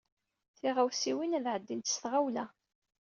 Tiɣawsiwin ad ɛeddint s tɣawla.